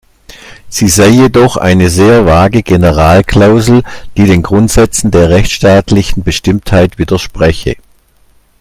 Sie sei jedoch eine sehr vage Generalklausel, die den Grundsätzen der rechtsstaatlichen Bestimmtheit widerspreche.